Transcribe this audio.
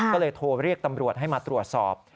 ก็เลยโทรเรียกตำรวจให้มาตรวจสอบ